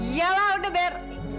yalah udo ber